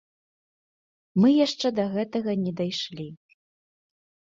Мы яшчэ да гэтага не дайшлі.